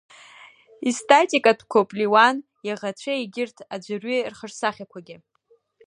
Истатикатәқәоуп Леуан иаӷацәеи егьырҭ аӡәырҩи рхаҿсахьақәагьы.